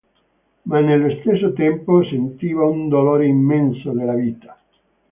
Ma nello stesso tempo sentiva un dolore immenso della vita.